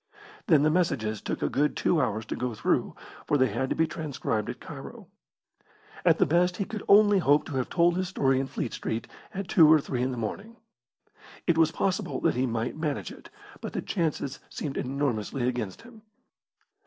Then the messages took a good two hours to go through, for they had to be transcribed at Cairo. At the best he could only hope to have told his story in Fleet Street at two or three in the morning. It was possible that he might manage it, but the chances seemed enormously against him.